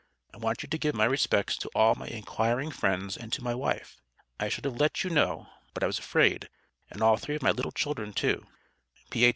I want you to give my Respects to all my inquiring friends and to my wife, I should have let you know But I was afraid and all three of my little children too, P.H.